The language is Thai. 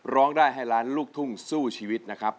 ร้องได้ให้ล้านลูกทุ่งสู้ชีวิตนะครับ